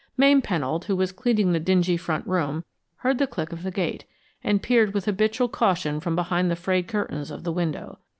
Mame Pennold, who was cleaning the dingy front room, heard the click of the gate, and peered with habitual caution from behind the frayed curtains of the window.